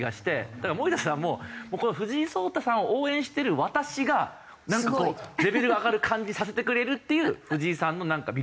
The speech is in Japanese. だから森田さんも藤井聡太さんを応援してる私がなんかこうレベルが上がる感じにさせてくれるっていう藤井さんのなんか魅力。